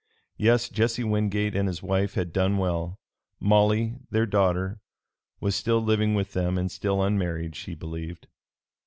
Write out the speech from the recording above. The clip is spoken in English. Yes, Jesse Wingate and his wife had done well. Molly, their daughter, was still living with them and still unmarried, she believed.